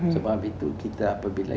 sebab itu kita apabila